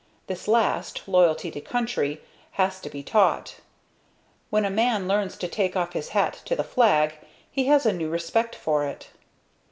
This last, loyalty to country, has to be taught. When a man learns to take off his hat to the flag, he has a new respect for it.